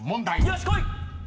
よしっこい！